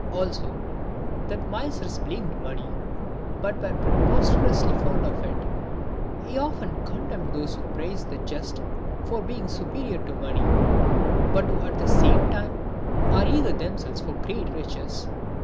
Also, " That misers blamed money, f but were preposterously fond of it." He often condemned those who praise the just for being superior to money, but who at the same time are eager themselves for great riches.